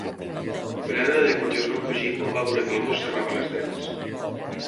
El lladre de cotxes va fugir quan va veure que el gos serrava les dents.